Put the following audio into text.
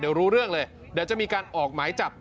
เดี๋ยวรู้เรื่องเลยเดี๋ยวจะมีการออกหมายจับ